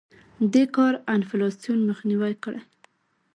دې کار انفلاسیون مخنیوی کړی.